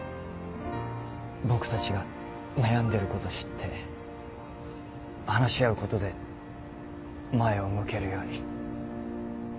僕たちが悩んでること知って話し合うことで前を向けるように。